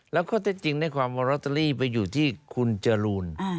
แล้วข้อเท็จจริงในความว่าลอตเตอรี่ไปอยู่ที่คุณจรูน